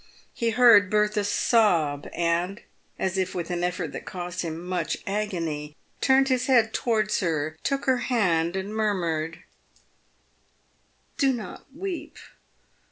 He heard Bertha sob, and, as if with an effort that cost him much agony, turned his head towards her, took her hand, and murmured, "Do not weep